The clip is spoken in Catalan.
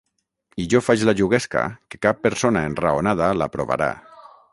I jo faig la juguesca que cap persona enraonada l'aprovarà.